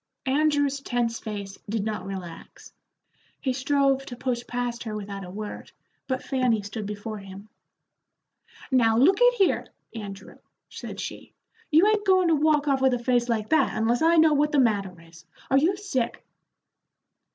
Andrew's tense face did not relax; he strove to push past her without a word, but Fanny stood before him. "Now, look at here, Andrew," said she, "you 'ain't goin' to walk off with a face like that, unless I know what the matter is. Are you sick?"